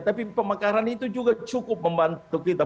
tapi pemekaran itu juga cukup membantu kita